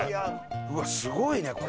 うわっすごいねこれ。